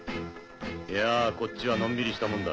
いやぁこっちはのんびりしたもんだ。